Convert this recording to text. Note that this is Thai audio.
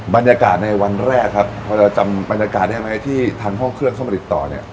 บรรยากาศในวันแรกครับพอเราจำบรรยากาศได้ไหมที่ทางห้องเครื่องเข้ามาติดต่อเนี่ย